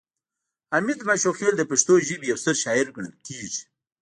حمید ماشوخیل د پښتو ژبې یو ستر شاعر ګڼل کیږي